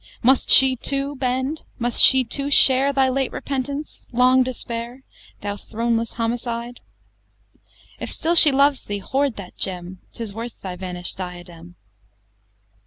Must she too bend, must she too share Thy late repentance, long despair, Thou throneless Homicide? If still she loves thee, hoard that gem, 'Tis worth thy vanish'd diadem!